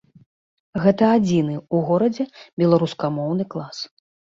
Гэта адзіны ў горадзе беларускамоўны клас.